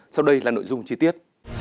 sau đây là nội dung chi tiết